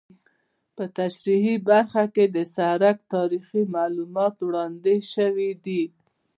په تشریحي برخه کې د سرک تاریخي معلومات وړاندې شوي دي